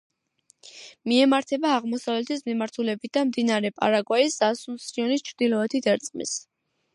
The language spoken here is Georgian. მიემართება აღმოსავლეთის მიმართულებით და მდინარე პარაგვაის ასუნსიონის ჩრდილოეთით ერწყმის.